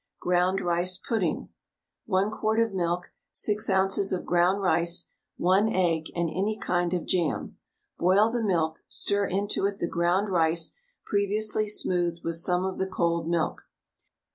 GROUND RICE PUDDING. 1 quart of milk, 6 oz. of ground rice, 1 egg, and any kind of jam. Boil the milk, stir into it the ground rice previously smoothed with some of the cold milk.